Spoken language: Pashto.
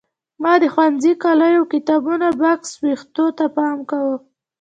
ما د ښوونځي کالیو کتابونو بکس وېښتو ته پام کاوه.